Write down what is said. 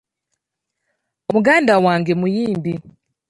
Muganda wange muyimbi.